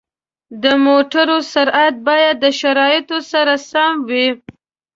د موټرو سرعت باید د شرایطو سره سم وي.